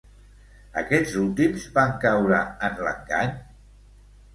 Aquests últims van caure en l'engany?